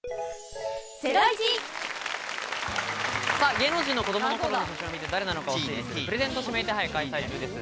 芸能人の子どもの頃の写真を見て誰なのかを推理するプレゼント指名手配開催中です。